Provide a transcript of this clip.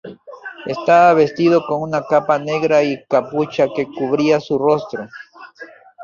Estaba vestido con una capa negra y capucha que cubría su rostro.